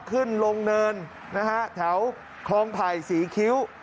ขึ้นลงเนินนะฮะแถวคลองไผ่ศรีคิ้ว